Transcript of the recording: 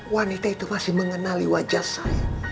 wanita itu masih mengenali wajah sri